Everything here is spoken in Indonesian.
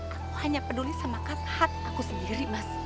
aku hanya peduli sama kata hati aku sendiri mas